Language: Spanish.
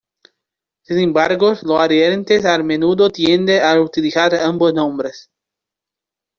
Sin embargo, los adherentes a menudo tienden a utilizar ambos nombres.